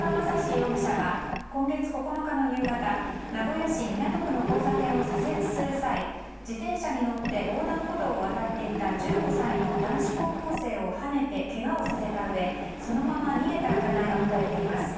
容疑者は今月９日の夕方名古屋市港区の交差点を左折する際自転車に乗って横断歩道を渡っていた１５歳の男子高校生をはねてけがをさせたうえそのまま逃げた疑いが持たれています。